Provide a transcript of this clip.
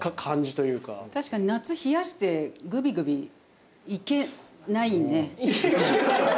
確かに夏冷やしてグビグビいけないね。